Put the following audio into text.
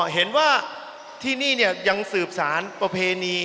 เห็นว่าที่นี่ยังสืบสารประเพณี